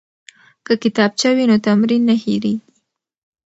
که کتابچه وي نو تمرین نه هیریږي.